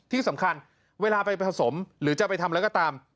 ที่สำคัญเวลาไปผสมหรือจะไปทำอะไรก็ตาม